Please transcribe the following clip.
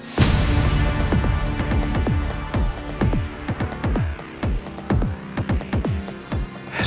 bisa aja sembur hidup